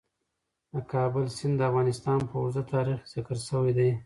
د کابل سیند د افغانستان په اوږده تاریخ کې ذکر شوی دی.